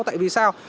tại vì sao